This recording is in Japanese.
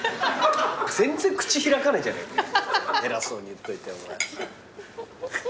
全然口開かないじゃないか偉そうに言っといてお前。